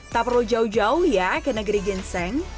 tak perlu jauh jauh ya ke negeri ginseng